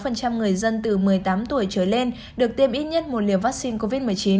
bốn mươi ba năm mươi sáu người dân từ một mươi tám tuổi trở lên được tiêm ít nhất một liều vaccine covid một mươi chín